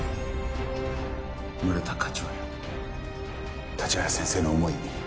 村田課長や立原先生の思い